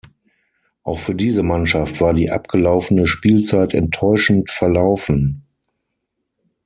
Auch für diese Mannschaft war die abgelaufene Spielzeit enttäuschend verlaufen.